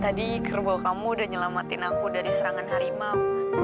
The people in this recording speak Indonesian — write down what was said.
tadi kerbau kamu udah nyelamatin aku dari serangan harimau